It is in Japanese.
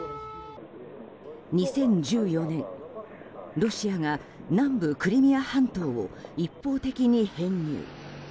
２０１４年、ロシアが南部クリミア半島を一方的に併合。